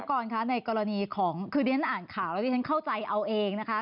กรคะในกรณีของคือดิฉันอ่านข่าวแล้วที่ฉันเข้าใจเอาเองนะคะ